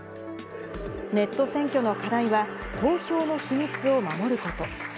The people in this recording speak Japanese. ネット選挙の課題は、投票の秘密を守ること。